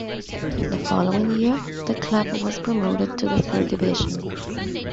The following year, the club was promoted to the Third Division.